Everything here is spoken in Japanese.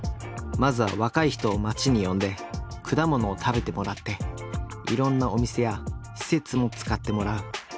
まずは若い人を町に呼んで果物を食べてもらっていろんなお店や施設も使ってもらう。